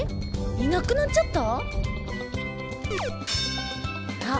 いなくなっちゃった？